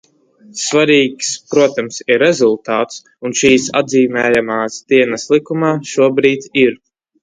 Svarīgs, protams, ir rezultāts, un šīs atzīmējamās dienas likumā šobrīd ir.